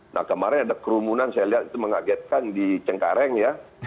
nah kemarin ada kerumunan saya lihat itu mengagetkan di cengkareng ya